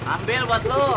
ambil buat lu